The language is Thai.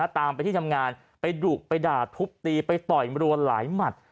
ตามไปที่ทำงานไปดุไปด่าทุบตีไปต่อยมรัวหลายหมัด